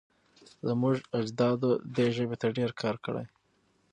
زموږ اجدادو دې ژبې ته ډېر کار کړی.